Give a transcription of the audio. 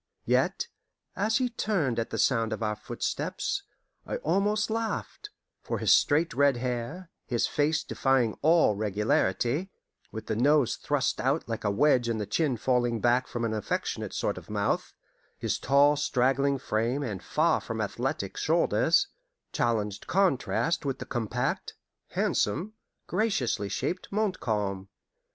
Yet, as he turned at the sound of our footsteps, I almost laughed; for his straight red hair, his face defying all regularity, with the nose thrust out like a wedge and the chin falling back from an affectionate sort of mouth, his tall straggling frame and far from athletic shoulders, challenged contrast with the compact, handsome, graciously shaped Montcalm.